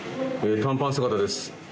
短パン姿です。